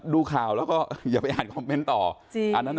ดูข่าวแล้วก็อย่าไปอ่านคอมเมนต์ต่อจริง